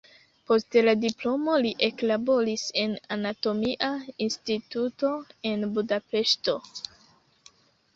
Post la diplomo li eklaboris en la anatomia instituto en Budapeŝto.